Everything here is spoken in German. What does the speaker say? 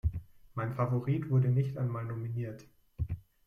Mein Favorit wurde nicht einmal nominiert.